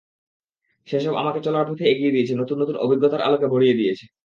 সেসব আমাকে চলার পথে এগিয়ে দিয়েছে, নতুন নতুন অভিজ্ঞতার আলোকে ভরিয়ে দিয়েছে।